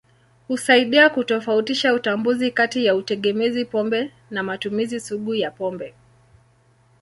Husaidia kutofautisha utambuzi kati ya utegemezi pombe na matumizi sugu ya pombe.